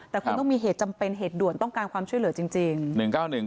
แต่คุณต้องมีเหตุจำเป็นเหตุด่วนต้องการความช่วยเหลือจริง